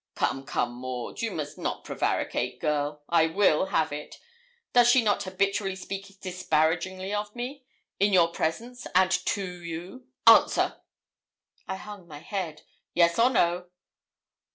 'Come, come, Maud, you must not prevaricate, girl. I will have it. Does she not habitually speak disparagingly of me, in your presence, and to you? Answer.' I hung my head. 'Yes or no?'